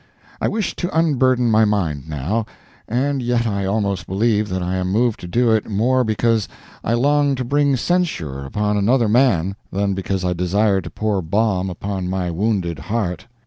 I wish to unburden my mind now, and yet I almost believe that I am moved to do it more because I long to bring censure upon another man than because I desire to pour balm upon my wounded heart.